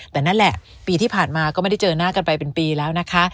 แต่นั่นแหละปีที่ผ่านมาก็ไม่ได้เจอหน้ากันไปเป็นปีแล้วนะคะ